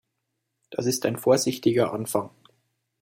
Das ist ein vorsichtiger Anfang.